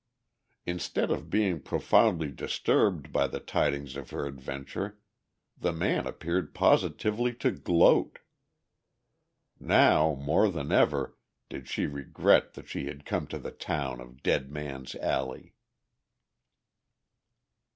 Instead of being profoundly disturbed by the tidings of her adventure, the man appeared positively to gloat.... Now, more than ever, did she regret that she had come to the town of Dead Man's Alley.